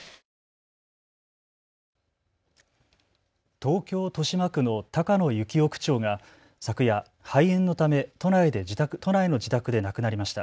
東京豊島区の高野之夫区長が昨夜、肺炎のため都内の自宅で亡くなりました。